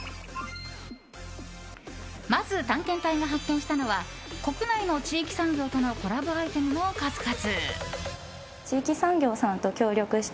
まず、探検隊が発見したのは国内の地域産業とのコラボアイテムの数々。